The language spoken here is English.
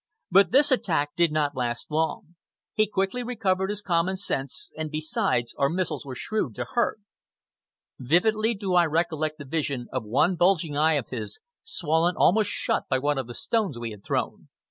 But this attack did not last long. He quickly recovered his common sense, and besides, our missiles were shrewd to hurt. Vividly do I recollect the vision of one bulging eye of his, swollen almost shut by one of the stones we had thrown.